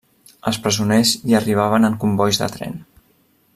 Els presoners hi arribaven en combois de tren.